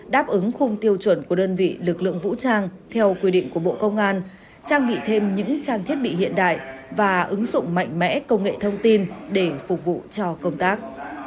đáp ứng khung tiêu chuẩn của đơn vị lực lượng vũ trang theo quy định của bộ công an trang bị thêm những trang thiết bị hiện đại và ứng dụng mạnh mẽ công nghệ thông tin để phục vụ cho công tác